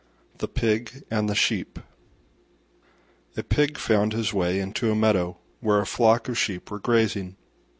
THE PIG AND THE SHEEP A Pig found his way into a meadow where a flock of Sheep were grazing.